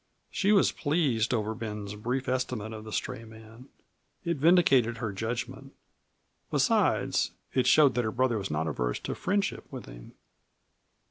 She was pleased over Ben's brief estimate of the stray man. It vindicated her judgment. Besides, it showed that her brother was not averse to friendship with him.